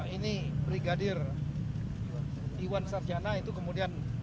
ini brigadir iwan sarjana itu kemudian